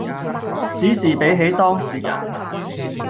只是比起當時人